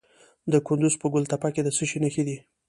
د کندز په ګل تپه کې د څه شي نښې دي؟